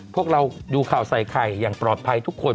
พวกเราดูข่าวใส่ไข่อย่างปลอดภัยทุกคน